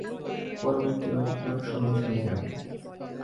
পরবর্তী ব্যাপারটা আরো সহজ হয়ে যাবে।